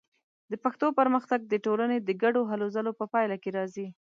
د پښتو پرمختګ د ټولنې د ګډو هلو ځلو په پایله کې راځي.